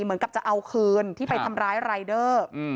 เหมือนกับจะเอาคืนที่ไปทำร้ายรายเดอร์